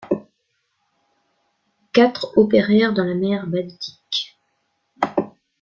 Quatre opérèrent dans la mer Baltique.